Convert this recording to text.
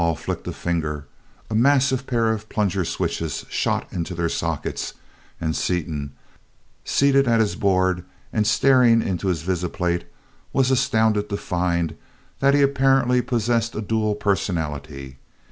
_] Rovol flicked a finger, a massive pair of plunger switches shot into their sockets, and Seaton, seated at his board and staring into his visiplate, was astounded to find that he apparently possessed a dual personality.